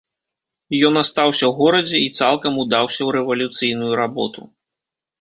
Ён астаўся ў горадзе і цалкам удаўся ў рэвалюцыйную работу.